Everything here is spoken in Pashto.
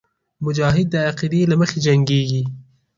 مجاهد د عقیدې له مخې جنګېږي.